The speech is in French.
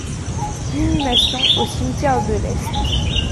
Inhumation au cimetière de l'Est.